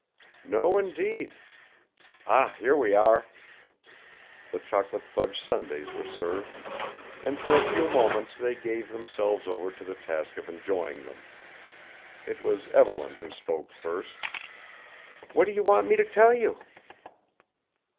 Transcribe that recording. "No, indeed. Ah, here we are!" The chocolate fudge sundaes were served, and for a few moments they gave themselves over to the task of enjoying them. It was Evelyn who spoke first. "What do you want me to tell you?"